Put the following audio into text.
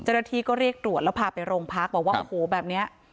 เจ้าหน้าที่ก็เรียกตรวจแล้วพาไปโรงพักบอกว่าโอ้โหแบบนี้